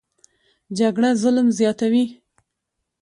جګړه ظلم زیاتوي